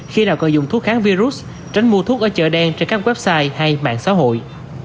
khi nào cần dùng thuốc kháng virus tránh mua thuốc ở chợ đen trên các website hay mạng xã hội